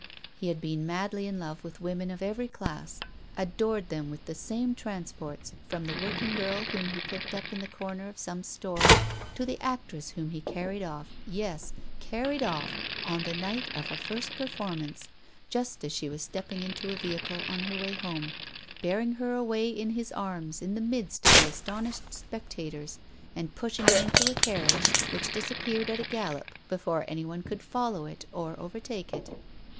He had been madly in love with women of every class, adored them with the same transports from the working girl whom he picked up in the corner of some store to the actress whom he carried off, yes, carried off, on the night of a first performance, just as she was stepping into a vehicle on her way home, bearing her away in his arms in the midst of the astonished spectators, and pushing her into a carriage, which disappeared at a gallop before anyone could follow it or overtake it.